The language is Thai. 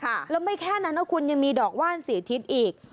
แล้วไม่แค่นั้นนะคุณยังมีดอกว่านสี่ทิศอีก